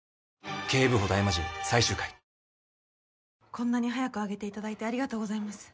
こんなに早く上げて頂いてありがとうございます。